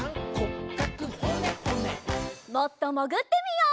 もっともぐってみよう。